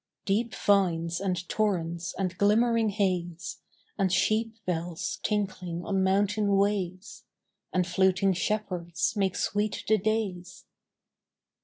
Deep vines and torrents and glimmering haze, And sheep bells tinkling on mountain ways, And fluting shepherds make sweet the days.